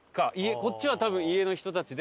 こっちは多分家の人たちで。